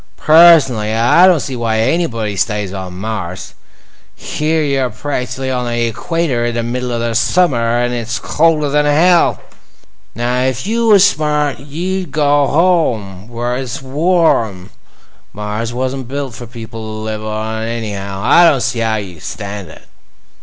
"Pers nally, I don't see why anybody'd stay on Mars. Here y'are, practic'ly on the equator in the middle of the summer, and it's colder than hell. Brrr! "Now if you was smart, you'd go home, where it's warm. Mars wasn't built for people to live on, anyhow. I don't see how you stand it."